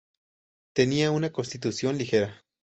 Tenía una constitución ligera.